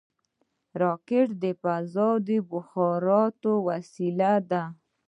راکټ د فضا د مخابراتو وسیله ده